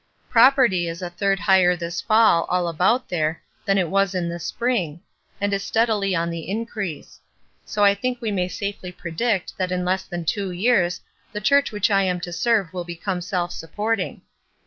Property is a third higher this fall all about there than it was in the spring, and is steadily on the in crease; so I think we may safely predict that in less than two years the church which I am to serve will become self supporting.